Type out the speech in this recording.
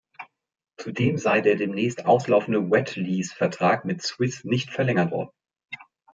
Zudem sei der demnächst auslaufende Wetlease-Vertrag mit Swiss nicht verlängert worden.